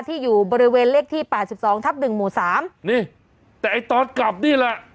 ที่อยู่บริเวณเลขที่๘๒ทับ๑หมู่๓นี่แต่ไอ้ตอสกลับนี่แหละ